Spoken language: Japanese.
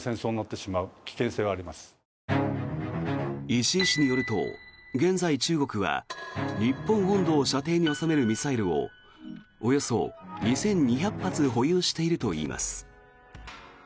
石井氏によると、現在中国は日本本土を射程に収めるミサイルをおよそ２２００発保有しているといいます。